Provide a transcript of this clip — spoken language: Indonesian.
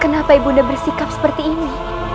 kenapa ibu nda bersikap seperti ini